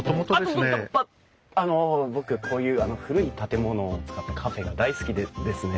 あの僕こういう古い建物を使ったカフェが大好きでですね。